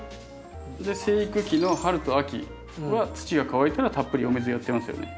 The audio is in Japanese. で生育期の春と秋は土が乾いたらたっぷりお水やってますよね？